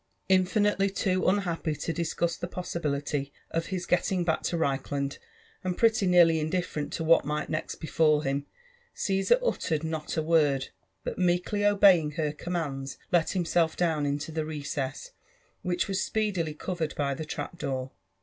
Infmitely too unhappy to discuss the possibility of his getting back to Reichland, and pretty nearly indifferent to what might next befal him, Caesar uttered not a word, but meekly obeying her commands, lei himself down into the recess, which was speedily covered by the trap door.